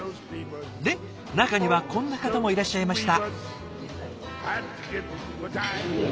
で中にはこんな方もいらっしゃいました。